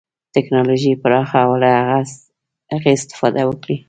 ټکنالوژي پراخه او له هغې استفاده وکړي.